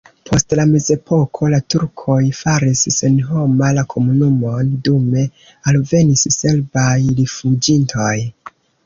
Post la mezepoko la turkoj faris senhoma la komunumon, dume alvenis serbaj rifuĝintoj.